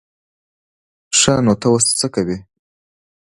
ښه نو ته اوس څه کوې؟